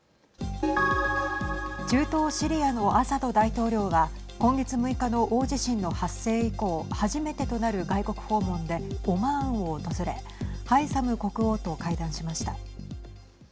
中東シリアのアサド大統領は今月６日の大地震の発生以降初めてとなる外国訪問でオマーンを訪れハイサム国王と会談しました。